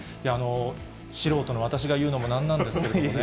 素人の私が言うのもなんなんですけどもね。